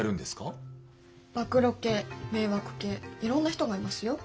暴露系迷惑系いろんな人がいますよ。